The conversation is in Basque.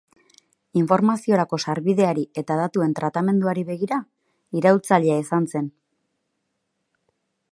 Informaziorako sarbideari eta datuen tratamenduari begira, iraultzailea izan zen.